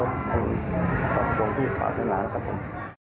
กับตรงที่ฝาด้วยน้ำครับผม